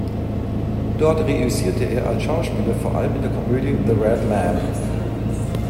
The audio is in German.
Dort reüssierte er als Schauspieler vor allem in der Komödie "The Red Lamp".